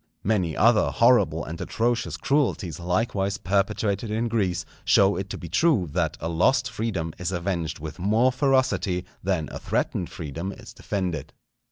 Many other horrible and atrocious cruelties likewise perpetrated in Greece, show it to be true that a lost freedom is avenged with more ferocity than a threatened freedom is defended.